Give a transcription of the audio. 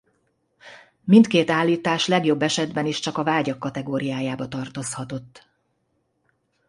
Mindkét állítás legjobb esetben is csak a vágyak kategóriájába tartozhatott.